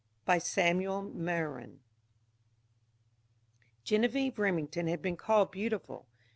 BY SAMUEL MERWIN Genevieve Remington had been called beautiful.